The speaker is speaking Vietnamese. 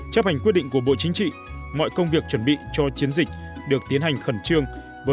chấp hành quyết định của bộ chính trị mọi công việc chuẩn bị cho chiến dịch được tiến hành khẩn trương